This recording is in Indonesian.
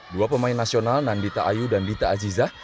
dua pemain nasional nandita ayu dan dita azizah